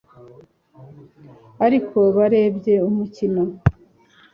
Ariko barebye umukino